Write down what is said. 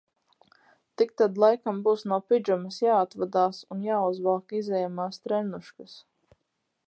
Tik tad laikam būs no pidžamas jāatvadās un jāuzvelk izejamās trennuškas.